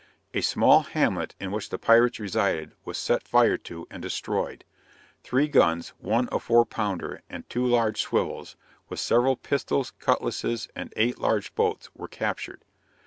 A small hamlet, in which the pirates resided, was set fire to and destroyed. Three guns, one a four pounder, and two large swivels, with several pistols, cutlasses, and eight large boats, were captured.